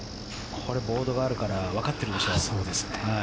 これ、ボードがあるから分かってるでしょう。